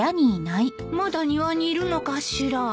まだ庭にいるのかしら。